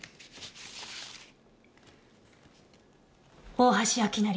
大橋明成